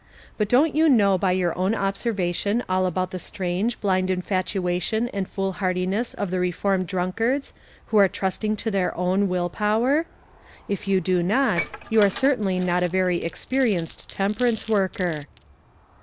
But don't you know by your own observation all about the strange, blind infatuation and foolhardi ness of the reformed drunkards, who are trusting to their own will power? If you do not, you are certainly not a very expe rienced temperance worker.